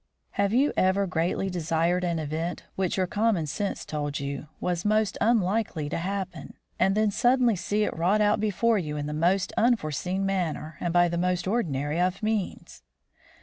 Have you ever greatly desired an event which your common sense told you was most unlikely to happen, and then suddenly seen it wrought out before you in the most unforeseen manner and by the most ordinary of means?